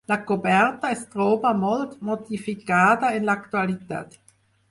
La coberta es troba molt modificada en l'actualitat.